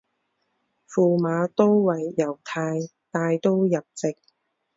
驸马都尉游泰带刀入直。